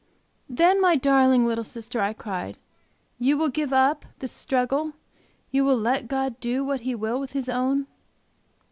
"Then, my darling little sister" I cried, "you will give up this struggle? You will let God do what He will with His own?"